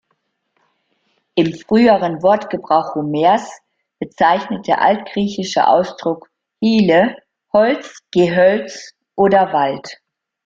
Im früheren Wortgebrauch Homers bezeichnet der altgriechische Ausdruck "hyle" Holz, Gehölz oder Wald.